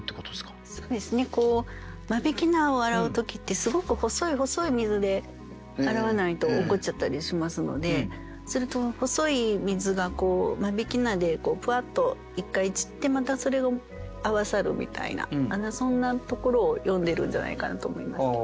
そうですね間引菜を洗う時ってすごく細い細い水で洗わないと落っこちちゃったりしますのですると細い水が間引菜でプワッと一回散ってまたそれが合わさるみたいなそんなところを詠んでるんじゃないかなと思いますけど。